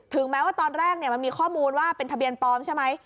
แม้ว่าตอนแรกมันมีข้อมูลว่าเป็นทะเบียนปลอมใช่ไหม